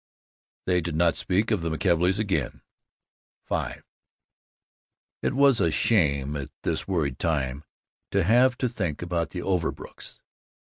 They did not speak of the McKelveys again. V It was a shame, at this worried time, to have to think about the Overbrooks.